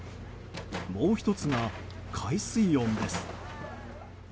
もう１つが、海水温です。